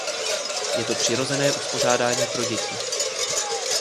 Je to přirozené uspořádání pro děti.